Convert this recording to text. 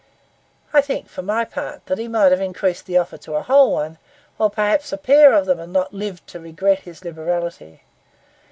I think, for my part, he might have increased the offer to a whole one, or perhaps a pair of them, and not lived to regret his liberality.